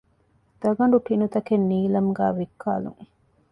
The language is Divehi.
ދަގަނޑު ޓިނުތަކެއް ނީލަމްގައި ވިއްކާލުން